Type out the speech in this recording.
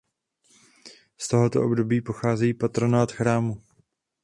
Z tohoto období pochází patronát chrámu.